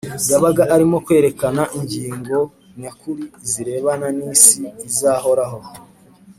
yabaga arimo kwerekana ingingo nyakuri zirebana n’isi izahoraho